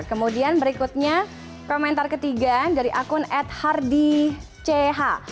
kemudian berikutnya komentar ketiga dari akun athardych